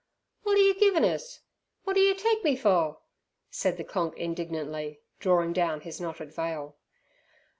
"Wot are yer givin' us; wot do yer take me fur?" said the "Konk" indignantly, drawing down his knotted veil.